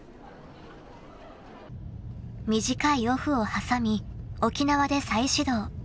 ［短いオフを挟み沖縄で再始動］